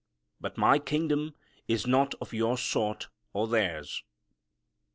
But my kingdom is not of your sort or theirs."